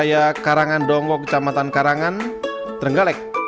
dengan topping yang menarik